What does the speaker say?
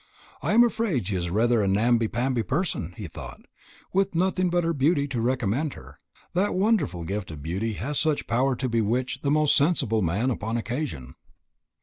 "I am afraid she is rather a namby pamby person," he thought, "with nothing but her beauty to recommend her. That wonderful gift of beauty has such power to bewitch the most sensible man upon occasion."